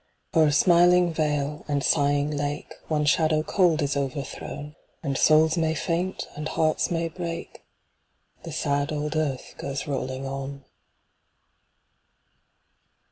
O'er smiling vale, and sighing lake, One shadow cold is overthrown; And souls may faint, and hearts may break, The sad old earth goes rolling on.